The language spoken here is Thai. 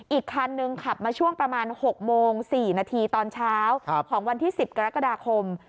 อีกคันนึงขับมาช่วงประมาณ๖โมง๔นาทีตอนเช้าของวันที่๑๐กรกฎาคม